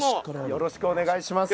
よろしくお願いします。